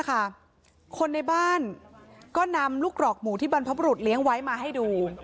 คนในบ้านก็นำลูกกรอกหมูที่บรรพบรุษเลี้ยงไว้มาให้ดู